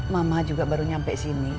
mama juga baru nyampe sini